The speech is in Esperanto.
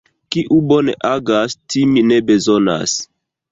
Kiu bone agas, timi ne bezonas.